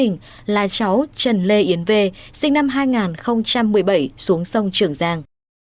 viên là cháu trần lê yến vê sinh năm hai nghìn một mươi bảy xuống sông trường giang